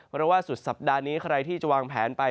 เพราะว่าสุดสัปดาห์นี้ใครที่จะวางแผนไป